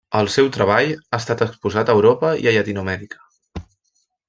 El seu treball ha estat exposat a Europa i Llatinoamèrica.